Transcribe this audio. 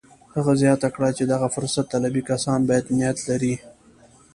هغه زياته کړه چې دغه فرصت طلبي کسان بد نيت لري.